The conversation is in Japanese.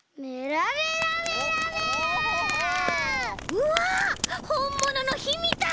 うわほんもののひみたい！